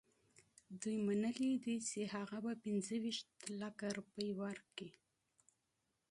دوی حاضر دي هغه ته پنځه ویشت لکه روپۍ ورکړي.